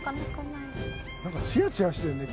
なんかつやつやしてるね